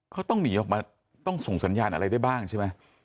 เขาต้องหนีออกมาต้องส่งสัญญาณอะไรได้บ้างใช่ไหม